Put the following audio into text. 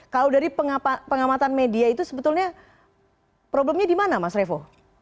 kalau dari pengamatan media itu sebetulnya problemnya di mana mas revo